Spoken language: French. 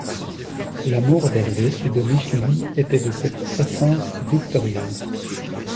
L’amour d’Hervé et de Micheline était de cette essence victorieuse.